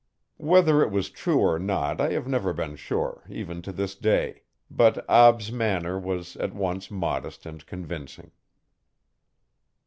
Whether it was true or not I have never been sure, even to this day, but Ab's manner was at once modest and convincing.